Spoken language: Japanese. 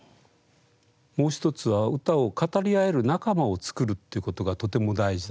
もう一つは歌を語り合える仲間を作るっていうことがとても大事。